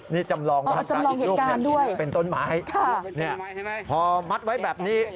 นี่จำลองเวลาศาสตร์อีกลูกเป็นต้นไม้นี่พอมัดไว้แบบนี้